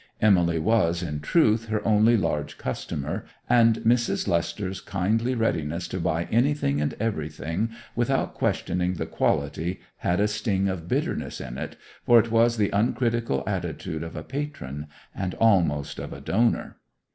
Emily was, in truth, her only large customer; and Mrs. Lester's kindly readiness to buy anything and everything without questioning the quality had a sting of bitterness in it, for it was the uncritical attitude of a patron, and almost of a donor.